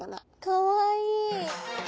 かわいい。